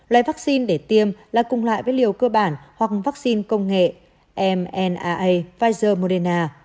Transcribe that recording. loại vaccine để tiêm là cùng loại với liều cơ bản hoặc vaccine công nghệ mnaa pfizer moderna